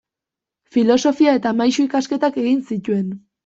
Filosofia eta Maisu ikasketak egin zituen.